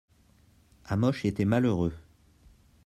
Hamoche etait malheureux.